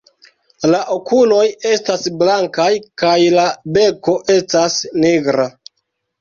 La okuloj estas blankaj kaj la beko estas nigra.